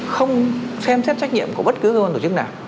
không xem xét trách nhiệm của bất cứ cơ quan tổ chức nào